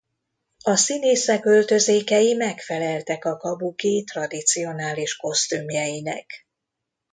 A színészek öltözékei megfeleltek a kabuki tradicionális kosztümjeinek.